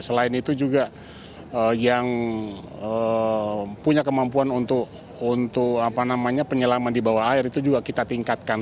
selain itu juga yang punya kemampuan untuk penyelaman di bawah air itu juga kita tingkatkan